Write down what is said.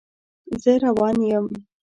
زه روان یم